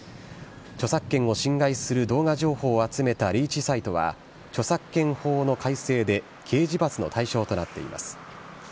著作権を侵害する動画情報を集めたリーチサイトは、著作権法の改正で、刑事罰の対象となっています。